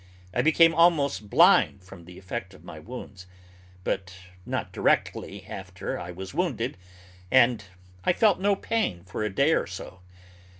I became almost blind from the effect of my wounds, but not directly after I was wounded, and I felt no pain for a day or so.